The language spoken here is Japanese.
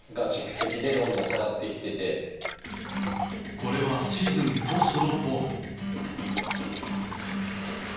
これはシーズン当初のフォーム。